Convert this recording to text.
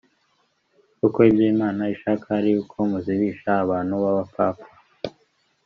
Kuko ibyo Imana ishaka ari uko muzibisha abantu b'abapfapfa,